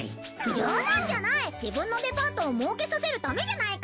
冗談じゃない自分のデパートをもうけさせるためじゃないか。